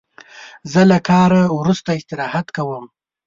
زه له کاره وروسته استراحت کوم.